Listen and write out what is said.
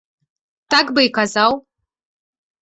Так бы і казаў.